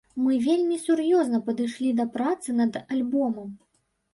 Мы вельмі сур'ёзна падышлі да працы над альбомам.